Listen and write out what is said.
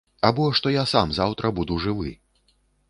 Або што я сам заўтра буду жывы?